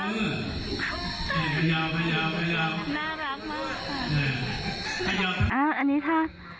น่ารักมากค่ะ